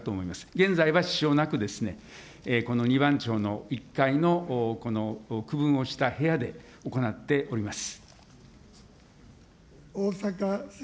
現在は支障なく、この２番町の１階のこの区分をした部屋で行っております。